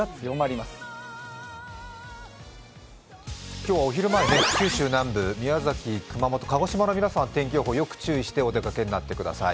今日はお昼前、九州南部、宮崎、熊本、鹿児島の皆さんは天気予報に注意してお出かけになってください。